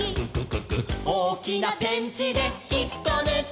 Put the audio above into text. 「おおきなペンチでひっこぬけ」